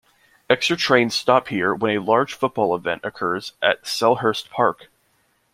Extra trains stop here when a large football event occurs at Selhurst Park.